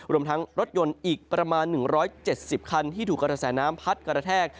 รวมทั้งรถยนต์อีกประมาณ๑๗๐คันที่ถูกกระแสน้ำพัดกระแทก